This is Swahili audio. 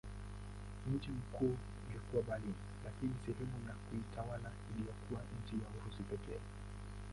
Mji mkuu ulikuwa Berlin lakini sehemu ya kiutawala iliyokuwa chini ya Urusi pekee.